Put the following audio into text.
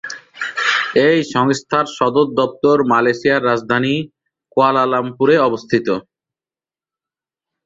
এই সংস্থার সদর দপ্তর মালয়েশিয়ার রাজধানী কুয়ালালামপুরে অবস্থিত।